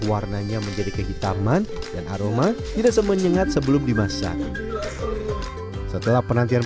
warnanya menjadi kehitaman dan aroma tidak semenyngat sebelum dimasak setelah penantian